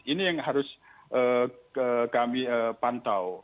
ini yang harus kami pantau